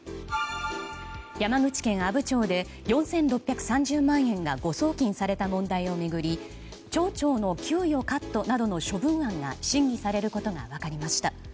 山口県阿武町で４６３０万円が誤送金された問題を巡り町長の給与カットなどの処分案が審議されることが分かりました。